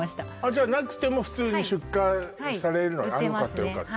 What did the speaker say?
じゃあなくても普通に出荷されるのね売ってますねはいよかったよかった